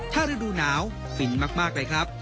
ถ้าฤดูหนาวฟินมากเลยครับ